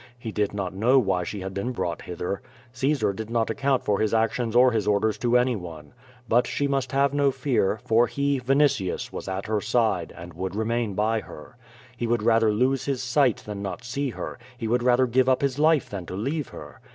He did not know why she had been brought hither. Caesar did not account for his actions or his orders to anyone. But she must have no fear, for he, Yinitius, was at her side, and would remain by her. He would rather lose his sight than not see her; he would rather give up his life than to leave her.